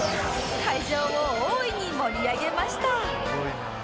会場を大いに盛り上げました